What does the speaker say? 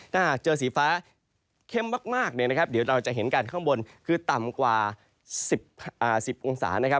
ถ้าเจอสีฟ้าเข้มมากก็จะเห็นกันข้างบนคือต่ำกว่า๑๐องศา